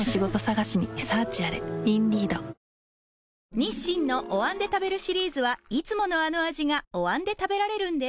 日清のお椀で食べるシリーズはいつものあの味がお椀で食べられるんです